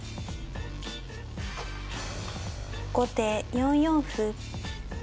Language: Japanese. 後手４四歩。